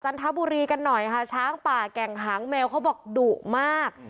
ทบุรีกันหน่อยค่ะช้างป่าแก่งหางแมวเขาบอกดุมาก